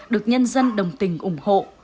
được nhân dân đồng tình ủng hộ